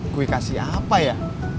gue kasih apa ya